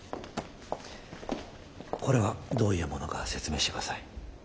これはどういうものか説明してください。